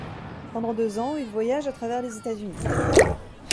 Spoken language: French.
Pendant deux ans, il voyage à travers les États-Unis.